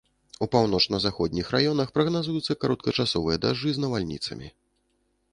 У паўночна-заходніх раёнах прагназуюцца кароткачасовыя дажджы з навальніцамі.